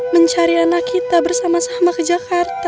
mencari anak kita bersama sama ke jakarta